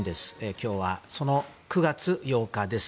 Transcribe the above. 今日はその９月８日です。